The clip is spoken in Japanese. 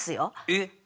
えっ？